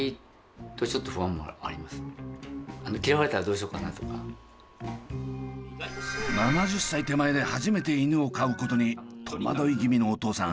そんな中一人だけ７０歳手前で初めて犬を飼うことに戸惑い気味のお父さん。